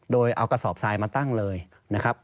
โดยเอากระสอบทรายมาตั้งเลยนะครับ